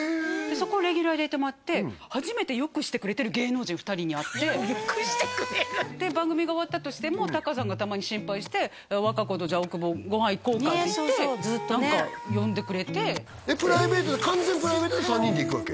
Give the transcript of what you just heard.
そこレギュラーで入れてもらってよくしてくれるで番組が終わったとしてもタカさんがたまに心配して和歌子と大久保ご飯行こうかっていって何か呼んでくれて完全プライベートで３人で行くわけ？